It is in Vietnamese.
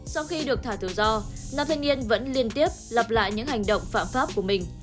sau khi được thả tự do nam thanh niên vẫn liên tiếp lặp lại những hành động phạm pháp của mình